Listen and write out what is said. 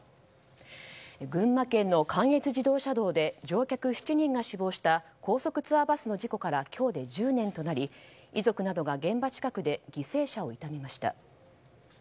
群馬県の関越自動車道で乗客７人が死亡した高速ツアーバスの事故から今日で１０年となり遺族などが現場近くで犠牲者を悼みました。